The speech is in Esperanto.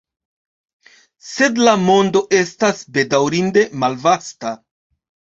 Sed la mondo estas, bedaŭrinde, malvasta.